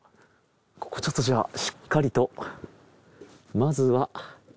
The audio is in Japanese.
ここちょっとじゃあしっかりとまずは。